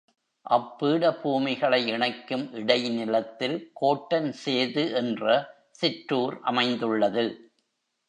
அப்பீடபூமிகளை இணைக்கும் இடைநிலத்தில் கோட்டன்சேது என்ற சிற்றூர் அமைந்துள்ளது.